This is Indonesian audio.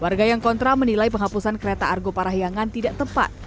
warga yang kontra menilai penghapusan kereta argo parahyangan tidak tepat